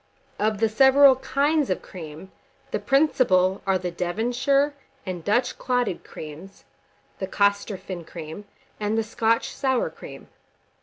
Of the several kinds of cream, the principal are the Devonshire and Dutch clotted creams, the Costorphin cream, and the Scotch sour cream.